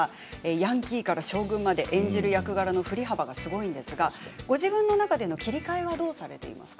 ヤンキーから将軍まで演じる役柄の振り幅がすごいですがご自分の中での切り替えはどうされていますか？